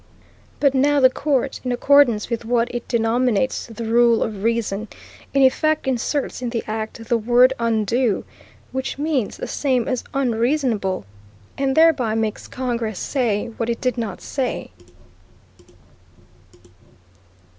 "But now the Court, in accordance with what it denominates the 'rule of reason,' in effect inserts in the act the word 'undue,' which means the same as 'unreasonable,' and thereby makes Congress say what it did not say....